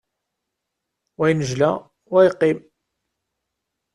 Wa yennejla, wa yeqqim.